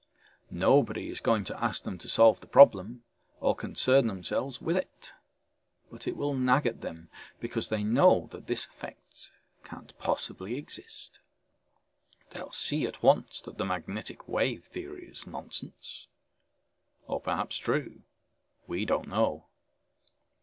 Nobody is going to ask them to solve the problem or concern themselves with it. But it will nag at them because they know this effect can't possibly exist. They'll see at once that the magnetic wave theory is nonsense. Or perhaps true? We don't know.